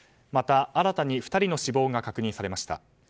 また、新たに２人の死亡が確認されました。